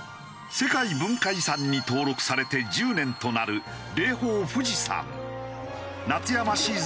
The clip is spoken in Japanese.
世界文化遺産に登録されて１０年となる霊峰富士山。